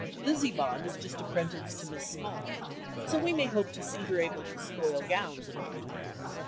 Lizzie Bond is just apprenticed to Miss Small, so we may hope to see her able to spoil gowns in a few years."